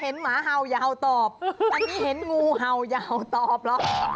เห็นหมาเห่าอย่าเห่าตอบอันนี้เห็นงูเห่าอย่าเห่าตอบหรอ